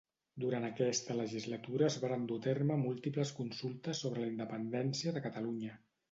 Durant aquesta legislatura es varen dur a terme múltiples consultes sobre la independència de Catalunya.